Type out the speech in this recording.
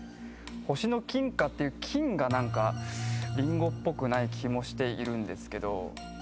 星の金貨っていう「金」が何かりんごっぽくない気もしているんですけど。